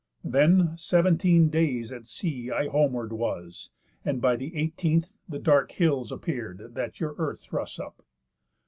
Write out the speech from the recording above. Then sev'nteen days at sea I homeward was, And by the eighteenth the dark hills appear'd That your earth thrusts up.